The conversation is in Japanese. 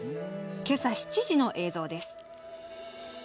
今朝７時の映像です。